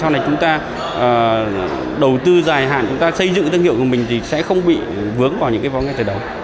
sau này chúng ta đầu tư dài hạn chúng ta xây dựng tương hiệu của mình thì sẽ không bị vướng vào những cái vấn đề khác